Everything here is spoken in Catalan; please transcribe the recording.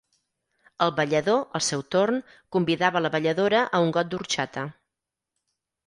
El ballador, al seu torn, convidava la balladora a un got d’orxata.